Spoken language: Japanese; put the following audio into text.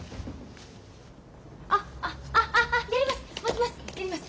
あっあっああやります